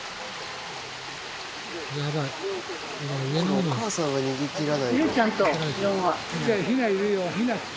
お母さんが逃げ切らないと。